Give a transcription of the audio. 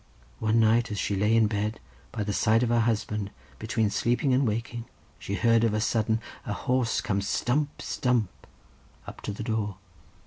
One night, as she lay in bed, by the side of her husband, between sleeping and waking, she heard of a sudden, a horse coming stump, stump, up to the door.